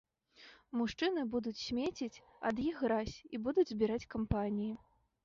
Мужчыны будуць смеціць, ад іх гразь, і будуць збіраць кампаніі!